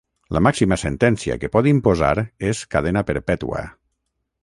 La màxima sentència que pot imposar és cadena perpètua.